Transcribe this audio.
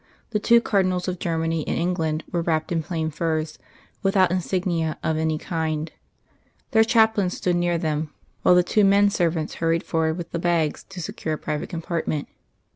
The two Cardinals of Germany and England were wrapped in plain furs, without insignia of any kind; their chaplains stood near them, while the two men servants hurried forward with the bags to secure a private compartment.